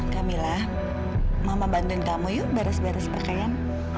kamilah mama bantuin kamu yuk baras baras pakaian